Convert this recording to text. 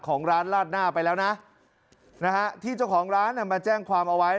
ของร้านลาดหน้าไปแล้วนะที่เจ้าของร้านมาแจ้งความเอาไว้